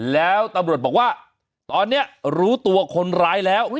แล้วตำรวจบอกว่าตอนนี้รู้ตัวคนร้ายแล้ว